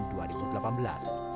ini di samping untuk ini